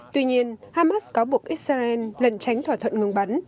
tuy nhiên hamas cáo buộc israel lần tránh thỏa thuận ngừng bắn